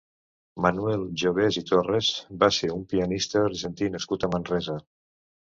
Manuel Jovés i Torres va ser un pianista argentí nascut a Manresa.